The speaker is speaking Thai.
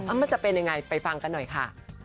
มันจะเป็นยังไงไปฟังกันหน่อยค่ะ